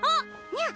にゃ！